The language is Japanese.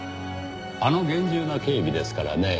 あの厳重な警備ですからね